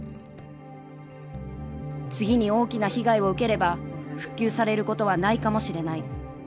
次に大きな被害を受ければ復旧されることはないかもしれない。